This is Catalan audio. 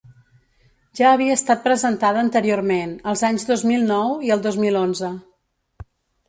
Ja havia estat presentada anteriorment, els anys dos mil nou i el dos mil onze.